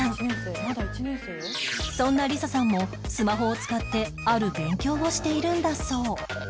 そんな理紗さんもスマホを使ってある勉強をしているんだそう